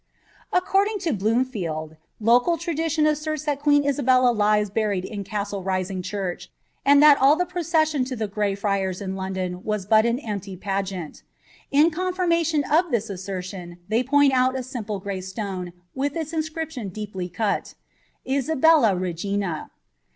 According to Bloomfield, local tradition asserts that queen Isabella lies buried in Castle Rising church, and that all the procession to the Grey Friars in London was but an empty pageant In confirmation of this assertion, they point out a simple grey stone, with tliis inscription deeply cul —^ ISABELLA RBOINA.